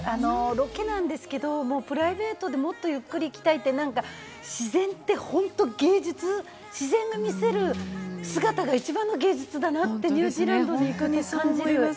ロケなんですけれども、プライベートでもっとゆっくり行きたいって、自然って本当に芸術、自然が見せる姿が一番の芸術だなってニュージーランドで思います。